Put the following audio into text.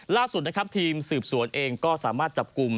ล่าสุดนะครับทีมสืบสวนเองก็สามารถจับกลุ่ม